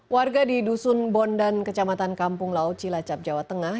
warga di dusun bondan kecamatan kampung laut cilacap jawa tengah